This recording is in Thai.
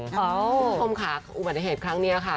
คุณผู้ชมค่ะอุบัติเหตุครั้งนี้ค่ะ